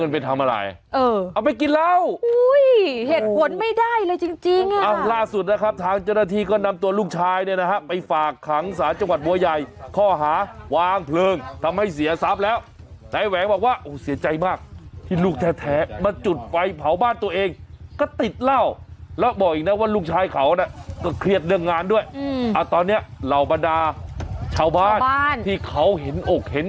เออเอาไปกินแล้วอุ้ยเห็นหวนไม่ได้เลยจริงอ่ะอ่ะล่าสุดนะครับทางเจ้าหน้าที่ก็นำตัวลูกชายเนี่ยนะฮะไปฝากขังสารจังหวัดบัวใหญ่ข้อหาวางเพลิงทำให้เสียทรัพย์แล้วแต่แหวงบอกว่าโอ้เสียใจมากที่ลูกแท้มาจุดไฟเผาบ้านตัวเองก็ติดเล่าแล้วบอกอีกนะว่าลูกชาย